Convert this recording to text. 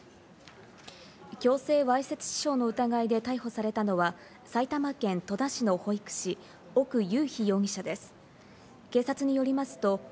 強制わいせつ致傷の疑いで逮捕されたのは、埼玉県戸田市の保育士・奥雄飛容疑者です。